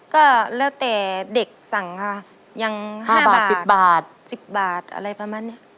ก็แล้วแต่เด็กสั่งค่ะยัง๕บาท๑๐บาท๑๐บาทอะไรประมาณนี้